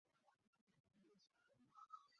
抱嶷居住在直谷。